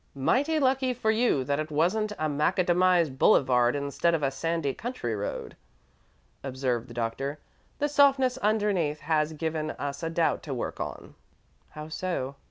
"Mighty lucky for you that it wasn't a macadamised boulevard instead of a sandy country road," observed the doctor. "The softness underneath has given us a doubt to work on." "How so?"